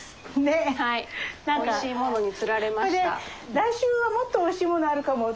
「来週はもっとおいしいものあるかも」